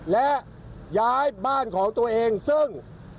และย้ายบ้านของตัวเองซึ่ง